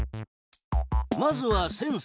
まずはセンサ。